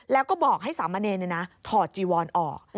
แล้วก็บอกให้สามเมอร์เนยนนะถอดจิวรออก